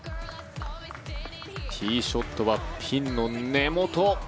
ティーショットはピンの根元。